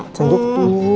semoga acaranya sukses ya